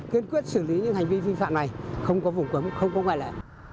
kiên quyết xử lý những hành vi vi phạm này không có vùng cấm không có ngoại lệ